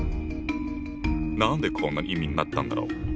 何でこんな意味になったんだろう？